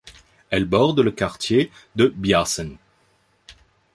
Elle borde le quartier de Byåsen.